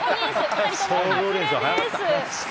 ２人とも外れです。